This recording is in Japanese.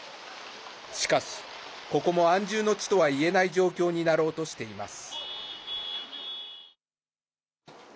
しかし、ここも安住の地とはいえない状況になろうとしています。